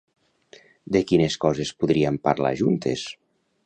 De quines coses podríem parlar juntes?